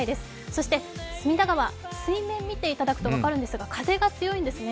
そして、隅田川水面見ていただくと分かるんですが、風が強いんですね。